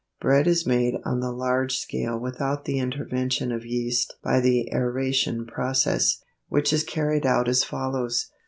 Bread is made on the large scale without the intervention of yeast by the aeration process, which is carried out as follows.